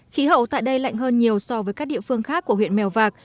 khí hậu tại đây lạnh hơn nhiều so với các địa phương khác của huyện mèo vạc